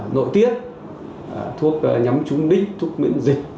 nội tiết thuốc nhắm trúng đích thuốc miễn dịch